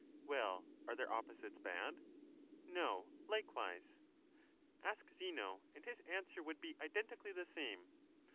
Well, are their opposites bad ? No, likewise. Ask Zeno, and his answer would be identically the same.